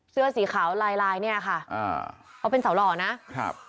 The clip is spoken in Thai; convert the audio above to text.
เสื้อสีขาวลายลายเนี้ยค่ะอ่าเขาเป็นสาวหล่อนะครับ